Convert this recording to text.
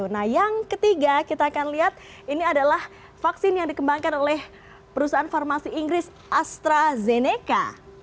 nah yang ketiga kita akan lihat ini adalah vaksin yang dikembangkan oleh perusahaan farmasi inggris astrazeneca